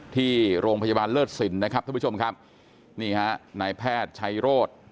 ที่โรงพยาบาลเลิศสินนะครับท่านผู้ชมครับนี่ฮะนายแพทย์ชัยโรธ